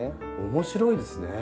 面白いですね。